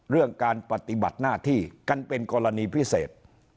เรื่องการปฏิบัติหน้าที่กันเป็นกรณีพิเศษ